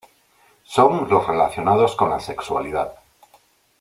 Son los relacionados con la sexualidad.